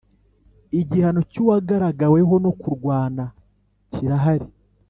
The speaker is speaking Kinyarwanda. Igihano cy’ uwagaragaweho no kurwana kirahri